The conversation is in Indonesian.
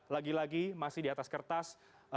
lagi lagi masih di atas kertas